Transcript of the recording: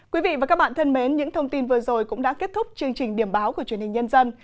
quý vị và các bạn thân mến những thông tin vừa rồi cũng đã kết thúc chương trình điểm báo của truyền hình nhân dân